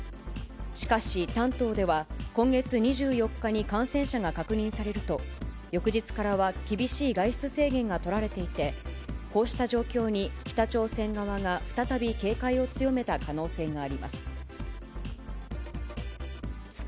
しかし、丹東では今月２４日に感染者が確認されると、翌日からは厳しい外出制限が取られていて、こうした状況に、北朝鮮側が再び警戒を強めた可能性があります。